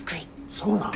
そうなん？